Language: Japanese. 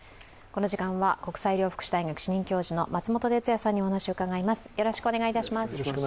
この時間は国際医療福祉大学主任教授の松本哲哉さんにお話を伺います。